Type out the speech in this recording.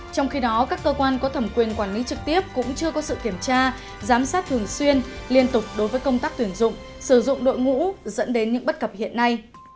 trong khi đó các cơ quan có thẩm quyền quản lý trực tiếp cũng chưa có sự kiểm tra giám sát thường xuyên liên tục đối với công tác tuyển dụng sử dụng đội ngũ dẫn đến những bất cập hiện nay